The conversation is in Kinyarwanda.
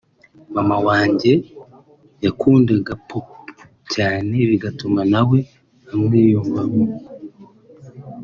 Mama wanjye yakundaga Poppy cyane bigatuma nawe amwiyumvamo